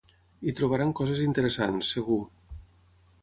Hi trobaran coses interessants, segur.